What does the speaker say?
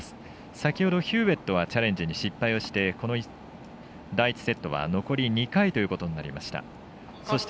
先ほどヒューウェットはチャレンジに失敗してこの第１セットは残り２回となりました。